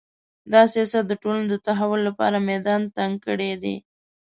دا سیاست د ټولنې د تحول لپاره میدان تنګ کړی دی